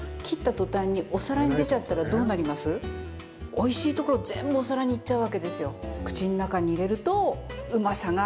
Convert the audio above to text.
おいしいところ全部お皿にいっちゃうわけですよ。